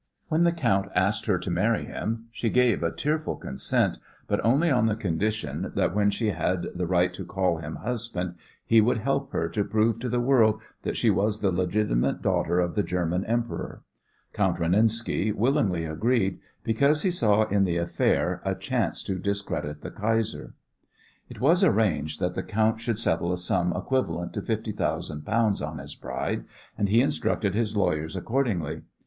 When the count asked her to marry him she gave a tearful consent, but only on the condition that when she had the right to call him husband he would help her to prove to the world that she was the legitimate daughter of the German Emperor. Count Renenski willingly agreed, because he saw in the affair a chance to discredit the Kaiser. It was arranged that the count should settle a sum equivalent to fifty thousand pounds on his bride, and he instructed his lawyers accordingly.